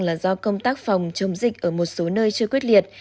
là do công tác phòng chống dịch ở một số nơi chưa quyết liệt